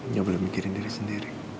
nggak boleh mikirin diri sendiri